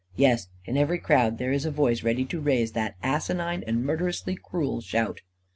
Yes, in every crowd there is a voice ready to raise that asinine and murderously cruel shout.